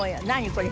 これ。